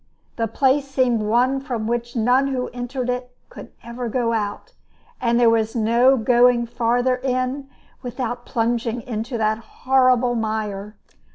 The place seemed one from which none who entered it could ever go out; and there was no going farther in without plunging into that horrible mire.